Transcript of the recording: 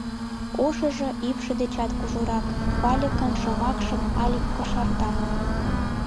— Ушыжо ӱпшӧ дечат кужурак, — Валикын шомакшым Алик кошарта.